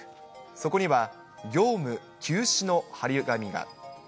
そこには業務休止の貼り紙が。